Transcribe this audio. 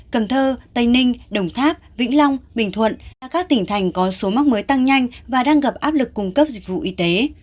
cần thơ tây ninh đồng tháp vĩnh long bình thuận là các tỉnh thành có số mắc mới tăng nhanh và đang gặp áp lực cung cấp dịch vụ y tế